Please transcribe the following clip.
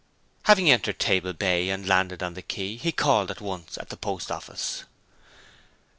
Having entered Table Bay and landed on the quay, he called at once at the post office.